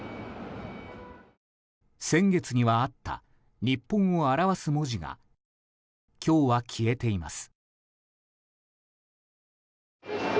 先月にはあった日本を表す文字が今日は消えています。